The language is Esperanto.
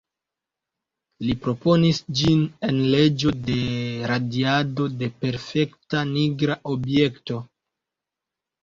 Li proponis ĝin en leĝo de radiado de perfekta nigra objekto.